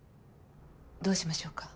どうしましょうか？